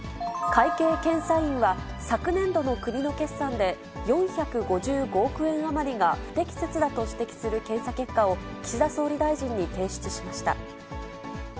会計検査院は、昨年度の国の決算で、４５５億円余りが不適切だと指摘する検査結果を岸田総理大臣に提出しました。